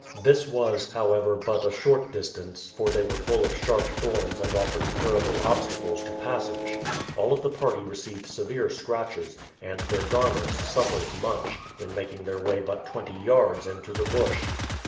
This was, however, but a short distance, for they were full of sharp thorns and offered terrible obstacles to passage. All of the party received severe scratches, and their garments suffered much, in making their way but twenty yards into the bush.